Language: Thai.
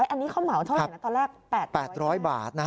อันนี้เขาเหมาเท่าไหร่นะตอนแรก๘๐๐บาท